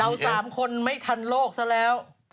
เอา๓คนไม่ทันโลกซะแล้ว